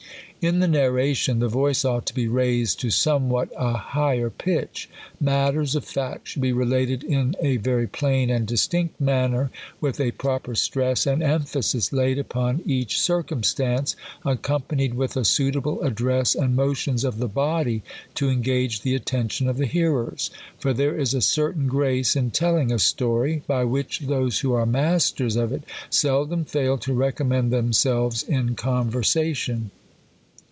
In the narration, the voice ought to be raised to some what a higher pitch. Matters of fact should be related in a very plain and distinct manner, with a proper stress and emphasis laid upon each circumstance, accompanied with a suitable address and motions of the body to en gage the attention of the hearers. For there is a certain C grace 26 TFTE COLUMBIAN ORATOR. grace in telling a story, by which those who are masters of it seldom fail to recommend themselves in conver sation.